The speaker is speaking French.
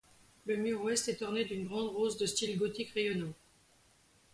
Le mur ouest est orné d'une grande rose de style gothique rayonnant.